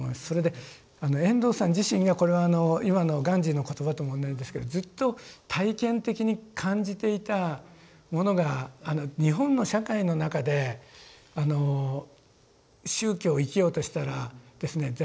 それで遠藤さん自身がこれは今のガンジーの言葉とも同じですけどずっと体験的に感じていたものが日本の社会の中で宗教を生きようとしたらですね